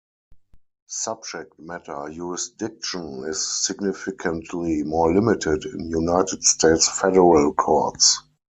Subject-matter jurisdiction is significantly more limited in United States federal courts.